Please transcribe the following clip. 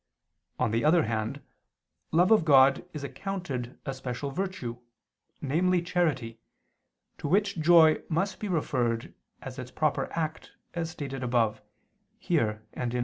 On the other hand love of God is accounted a special virtue, namely charity, to which joy must be referred, as its proper act, as stated above (here and A.